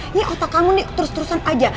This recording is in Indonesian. ini otak kamu nih terus terusan aja